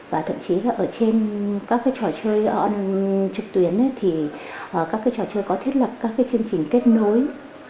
và thậm chí là ở trên các cái trò chơi trực tuyến thì các cái trò chơi có thiết lập các cái chương trình kết nối